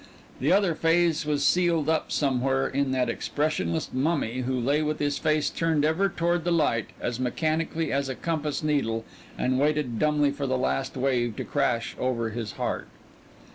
The other phase was sealed up somewhere in that expressionless mummy who lay with his face turned ever toward the light as mechanically as a compass needle and waited dumbly for the last wave to wash over his heart.